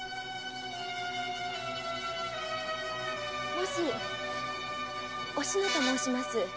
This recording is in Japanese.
もしおしのと申します。